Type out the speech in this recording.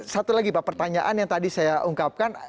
satu lagi pak pertanyaan yang tadi saya ungkapkan